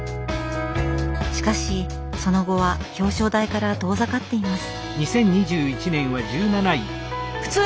しかしその後は表彰台から遠ざかっています。